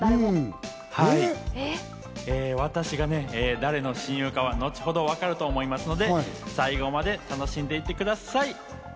私が誰の親友かは後ほど分かると思いますので、最後まで楽しんでいってください。